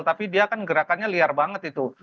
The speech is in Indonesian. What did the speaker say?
tapi dia kan gerakannya liar banget itu